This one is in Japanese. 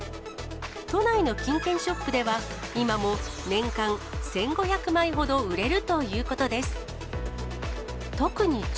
都内の金券ショップでは、今も年間１５００枚ほど売れるということです。